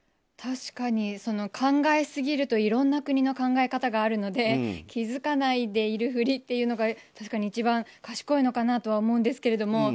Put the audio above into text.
確かに、考えすぎるといろんな国の考え方があるので気づかないでいるふりというのが確かに一番賢いのかなと思うんですけど。